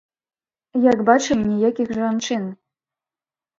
Як бачым, ніякіх жанчын.